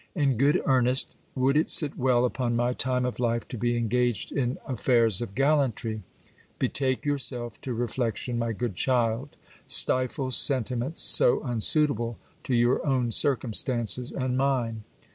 In good earnest, would it sit well upon m) time of life to be engaged in affairs of gallantry ? Betake yourself to reflection, my good child ; stifle sentiments so unsuitable to your own circumstances and mine.